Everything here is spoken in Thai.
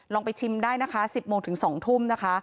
ลองไปชิมได้นะคะ๑๐โมงถึง๒ทุ่มนะคะ